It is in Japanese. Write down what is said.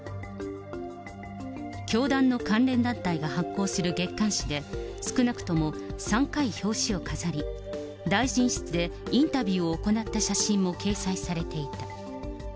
教団の関連団体が発行する月刊誌で少なくとも３回、表紙を飾り、大臣室でインタビューを行った写真も掲載されていた。